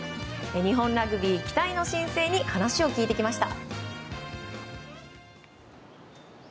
日本ラグビー期待の新星に話を聞いてきました。